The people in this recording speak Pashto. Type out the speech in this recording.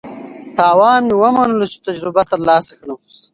تاوان مې ومنلو چې تجربه ترلاسه کړم.